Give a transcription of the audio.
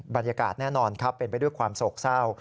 บรรยากาศแน่นอนครับเป็นไปด้วยความโศกเศร้า